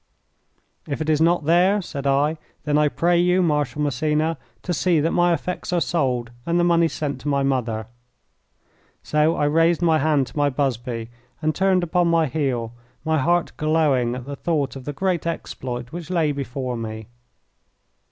"If it is not there," said I, "then I pray you, Marshal Massena, to see that my effects are sold and the money sent to my mother." So I raised my hand to my busby and turned upon my heel, my heart glowing at the thought of the great exploit which lay before me.